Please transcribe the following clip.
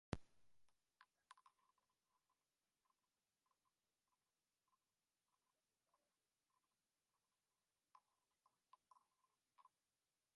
Está situada sobre la margen derecha del río Misisipi, que la separa de Illinois.